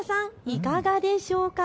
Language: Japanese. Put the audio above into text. いかがでしょうか。